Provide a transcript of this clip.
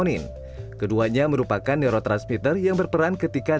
nggak harus yang impor gitu yang banyak omega tiga nya